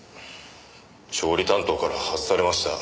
調理担当から外されました。